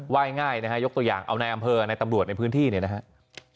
ว่ายง่ายนะฮะยกตัวอย่างเอาในอำเภอในตำรวจในพื้นที่เนี่ยนะครับ